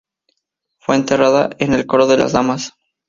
Fue enterrada en el coro de las Damas.